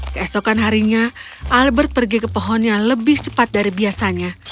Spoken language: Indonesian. keesokan harinya albert pergi ke pohonnya lebih cepat dari biasanya